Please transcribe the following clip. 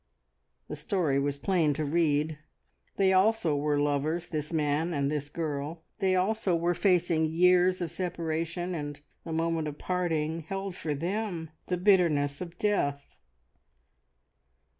The story was plain to read. They also were lovers this man and this girl. They also were facing years of separation, and the moment of parting held for them the bitterness of death.